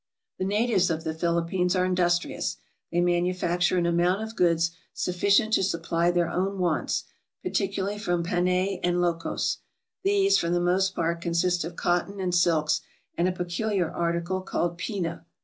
The natives of the Philippines are industrious. They manufacture an amount of goods sufficient to supply their own wants, particularly from Panay and Ylocos. These, for the most part, consist of cotton and silks, and a peculiar article called pina.